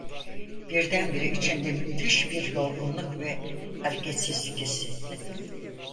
Birdenbire içinde müthiş bir yorgunluk ve hareketsizlik hissetti.